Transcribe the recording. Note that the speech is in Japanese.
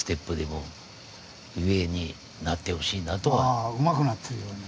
ああうまくなってるように。